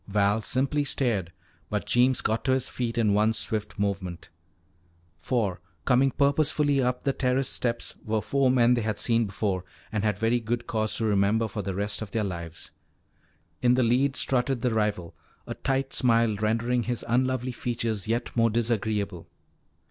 Val simply stared, but Jeems got to his feet in one swift movement. For, coming purposefully up the terrace steps, were four men they had seen before and had very good cause to remember for the rest of their lives. In the lead strutted the rival, a tight smile rendering his unlovely features yet more disagreeable.